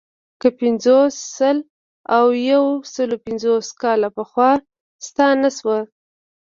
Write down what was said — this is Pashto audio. که پنځوس، سل او یو سلو پنځوس کاله پخوا ستانه شو.